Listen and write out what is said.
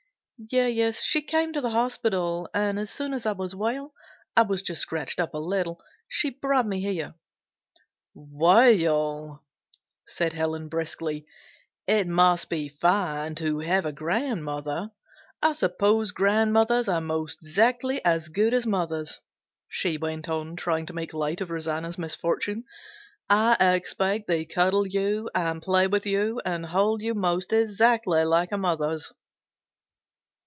"Yes, she came to the hospital and as soon as I was well I was just scratched up a little she brought me here." "Well," said Helen briskly, "it must be fine to have a grandmother. I suppose grandmothers are 'most exactly as good as mothers," she went on, trying to make light of Rosanna's misfortune. "I expect they cuddle you and play with you and hold you 'most exactly like mothers."